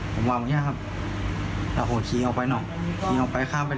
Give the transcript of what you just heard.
ผมวามอย่างเงี้ยครับแล้วโหชี้ออกไปหน่อชี้ออกไปข้ามไป